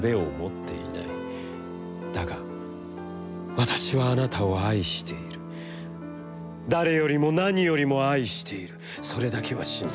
だが、私はあなたを愛している、誰よりも、何よりも、愛している、それだけは信じてくれ。